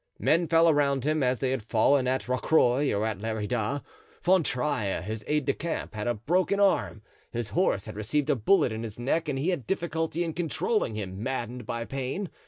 Men fell around him as they had fallen at Rocroy or at Lerida. Fontrailles, his aide de camp, had an arm broken; his horse had received a bullet in his neck and he had difficulty in controlling him, maddened by pain.